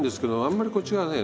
あんまりこっちがね